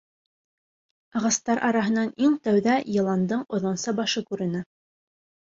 Ағастар араһынан иң тәүҙә йыландың оҙонса башы күренә.